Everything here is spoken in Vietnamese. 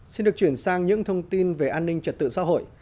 xin được chuyển sang những thông tin về an ninh trật tự xã hội